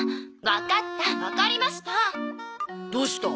わかったわかりました！